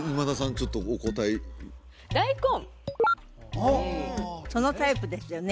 ちょっとお答えダイコンそのタイプですよね